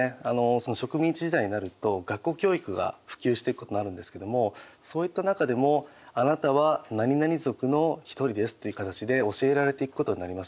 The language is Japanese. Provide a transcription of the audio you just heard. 植民地時代になると学校教育が普及していくことになるんですけどもそういった中でもあなたはなになに族の一人ですっていう形で教えられていくことになります。